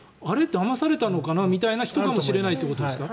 だまされたのかなみたいな人かもしれないということですか？